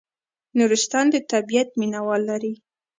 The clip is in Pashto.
نورستان د طبیعت مینه وال لري